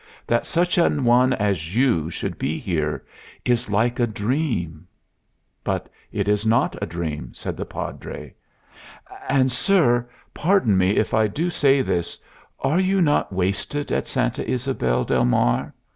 That such a one as you should be here is like a dream." "But it is not a dream," said the Padre. "And, sir pardon me if I do say this are you not wasted at Santa Ysabel del Mar?